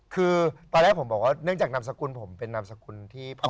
คือตอนแรกผมบอกว่าเนื่องจากนามสกุลผมเป็นนามสกุลที่พ่อ